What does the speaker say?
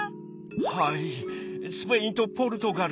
「はいスペインとポルトガルと。